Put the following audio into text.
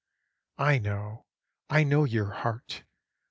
I know, I know your heart!